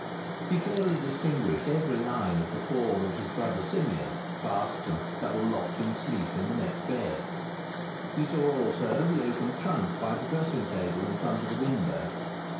He clearly distinguished every line of the form of his brother Simeon, fast and double locked in sleep in the next bed. He saw also the open trunk by the dressing table in front of the window.